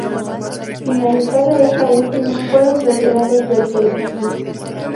Finalizada esta última, fueron retirados del servicio.